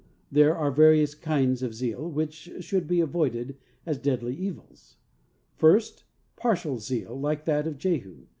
There are various kinds of zeal which should be avoided as deadly evils. First: Partial zeal like that of Jehu.